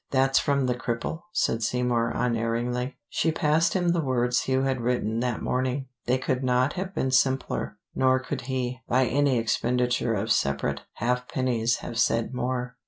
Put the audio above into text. "That's from the cripple," said Seymour unerringly. She passed him the words Hugh had written that morning. They could not have been simpler, nor could he, by any expenditure of separate half pennies have said more.